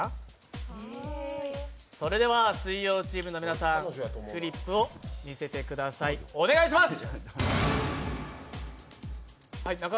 それでは水曜チームの皆さん、フリップを見せてください、お願いします。